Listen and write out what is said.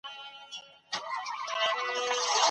په لاس لیکلنه د تناسب او توازن د درک سبب ګرځي.